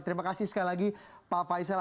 terima kasih sekali lagi pak faisal